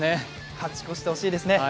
勝ち越してほしいですね。